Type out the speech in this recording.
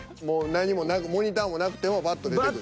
何もなくモニターもなくてもバッと出てくる？